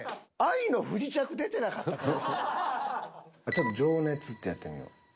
ちょっと「情熱」ってやってみよう。